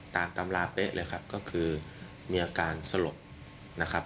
ตามตำราเป๊ะเลยครับก็คือมีอาการสลบนะครับ